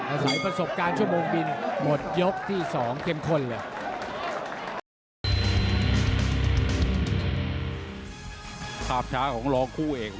อาศัยประสบการณ์ชั่วโมงบิน